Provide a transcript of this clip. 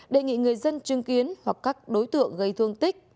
đề nghị người dân chứng kiến hoặc các đối tượng gây thương tích